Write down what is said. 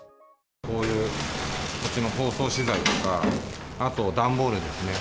こういううちの包装資材とか、あと、段ボールですね。